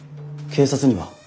警察には？